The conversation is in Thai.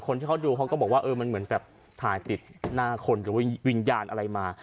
คนที่เขาดูเขาก็บอกว่าเออมันเหมือนแบบถ่ายติดหน้าคนหรือว่าวิญญาณอะไรมา